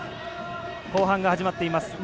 後半が始まっています。